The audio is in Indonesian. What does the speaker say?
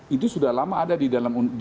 itu sudah lama ada di dalam